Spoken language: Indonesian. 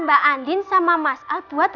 makasih sang aduan